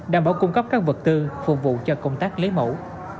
đảm bảo cung cấp các vật tư phục vụ cho công tác lấy mẫu